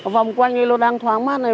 vòng quanh đây nó đang thoáng mát này